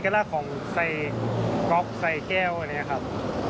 การขายยังไงเกิดที่อีกใช่ไหมครับ